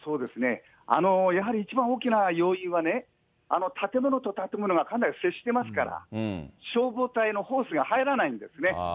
やはり一番大きな要因はね、建物と建物がかなり接してますから、消防隊のホースが入らないんですね。